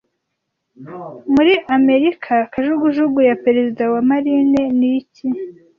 Muri Amerika Kajugujugu ya Perezida wa Marine ni iki